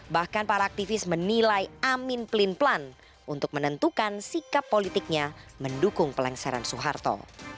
bahkan para aktivis menilai amin pelin pelan untuk menentukan sikap politiknya mendukung pelengseran soeharto